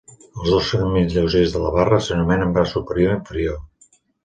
Els dos segments lleugers de la barra s'anomenen braç superior i inferior.